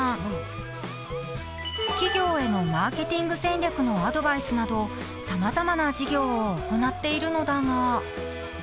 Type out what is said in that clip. ［企業へのマーケティング戦略のアドバイスなど様々な事業を行っているのだが］